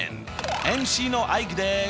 ＭＣのアイクです！